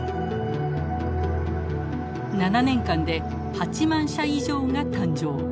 ７年間で８万社以上が誕生。